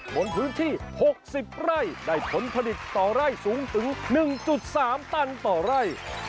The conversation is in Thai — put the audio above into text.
บนพื้นที่๖๐ไร่ได้ผลผลิตต่อไร่สูงถึง๑๓ตันต่อไร่